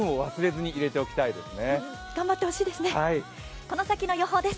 頑張ってほしいですね。